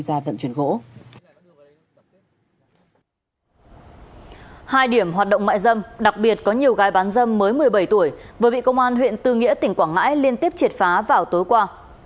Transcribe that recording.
một mươi bảy tuổi vừa bị công an huyện tư nghĩa tỉnh quảng ngãi liên tiếp triệt phá vào tối qua